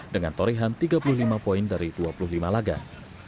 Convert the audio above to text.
dengan torehan tiga puluh lima poin dari dua puluh lima laga